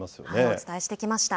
お伝えしてきました。